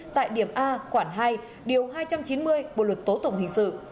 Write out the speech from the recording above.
tại điểm a quản hai điều hai trăm chín mươi bộ luật tố tổng hình sự